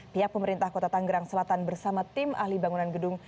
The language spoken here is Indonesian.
pihak pemerintah kota tanggerang selatan bersama tim ahli bangunan gedung